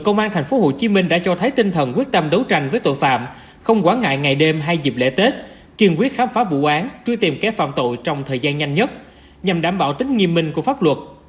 công an tp hcm đã cho thấy tinh thần quyết tâm đấu tranh với tội phạm không quán ngại ngày đêm hay dịp lễ tết kiên quyết khám phá vụ án truy tìm kẻ phạm tội trong thời gian nhanh nhất nhằm đảm bảo tính nghiêm minh của pháp luật